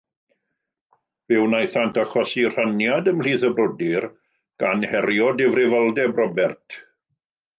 Fe wnaethant achosi rhaniad ymhlith y brodyr, gan herio difrifoldeb Robert.